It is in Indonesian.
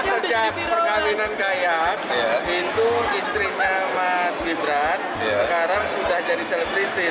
sejak perkahwinan gayat itu istrinya mas gibran sekarang sudah jadi selendriti